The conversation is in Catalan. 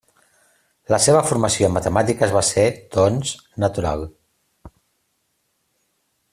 La seva formació en matemàtiques va ser, doncs, natural.